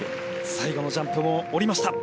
最後のジャンプも降りました。